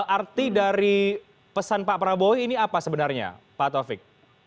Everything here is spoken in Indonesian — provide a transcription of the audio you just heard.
arti dari pesan pak prabowo ini apa sebenarnya pak taufik